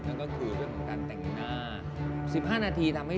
แล้วก็คือพยายามจะโชว์อะไร